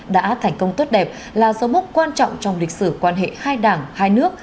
đã thành công tốt đẹp là dấu mốc quan trọng trong lịch sử quan hệ hai đảng hai nước